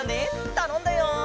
たのんだよ。